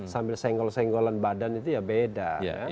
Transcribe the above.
sambil senggol senggolan badan itu ya beda